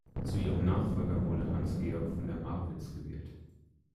Zu ihrem Nachfolger wurde Hans-Georg von der Marwitz gewählt.